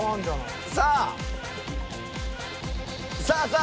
さあ！